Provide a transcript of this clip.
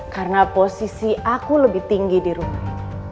karena posisi aku lebih tinggi di rumah